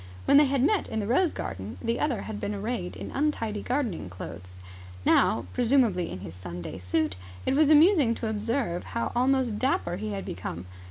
When they had met in the rose garden, the other had been arrayed in untidy gardening clothes. Now, presumably in his Sunday suit, it was amusing to observe how almost dapper he had become.